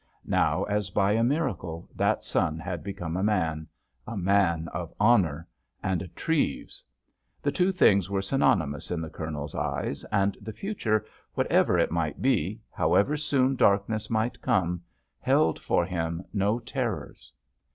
Now, as by a miracle, that son had become a man—a man of honour—and a Treves. The two things were synonymous in the Colonel's eyes, and the future, whatever it might be, however soon darkness might come, held for him no terrors.